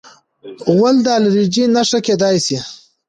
غول د الرجۍ نښه کېدای شي.